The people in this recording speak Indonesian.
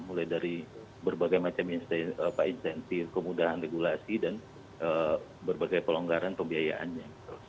mulai dari berbagai macam insentif kemudahan regulasi dan berbagai pelonggaran pembiayaannya